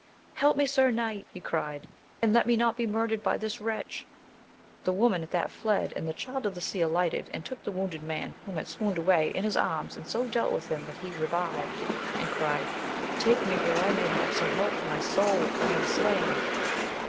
Help me, sir knight, he cried, and let me not be murdered by this wretch ! The woman at that fled, and the Child of the Sea alighted, and took the wounded man, who had swooned away, in his arms, and so dealt with him that he revived, and cried, Take me where I may have some help for my soul, for I am slain